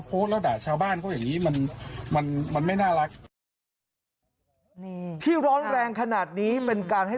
ประธานชมรมกาแฟน่านอยู่ไม่ได้เลยร้อนใจ